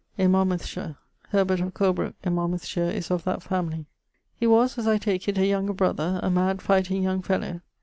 in Monmouthshire. Herbert, of Colbrooke in Monmouthshire, is of that family. He was (as I take it) a younger brother, a mad fighting young fellow.